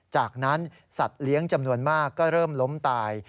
จากนั้นสัตว์เลี้ยงจำนวนมากก็เริ่มล้มตาย